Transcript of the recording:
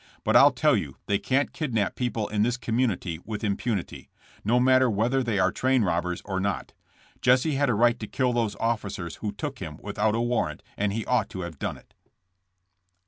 But I'll tell you they can't kidnap people in this community with impunity, no matter w^hether they are train robbers or not. Jesse had a right to kill those officers who took him without a warrant and he ought to have done it."